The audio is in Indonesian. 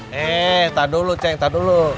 heee entah dulu ceng entah dulu